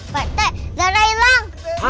pak rt darah hilang